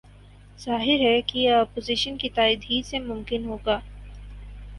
ظاہر ہے کہ یہ اپوزیشن کی تائید ہی سے ممکن ہو گا۔